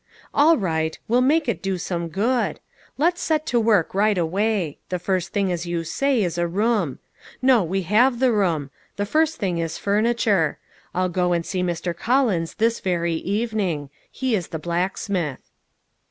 "All right. We'll make it do some good. Let's set to work right away. The first thing as you say, is a room. No, we have the room ; the first thing is furniture. I'll go a*nd see Mr. Collins this very evening. He is the black smith."